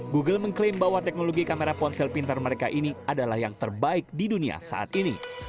google mengklaim bahwa teknologi kamera ponsel pintar mereka ini adalah yang terbaik di dunia saat ini